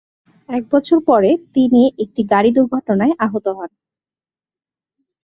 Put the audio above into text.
এক বছর পরে, তিনি একটি গাড়ি দুর্ঘটনায় আহত হন।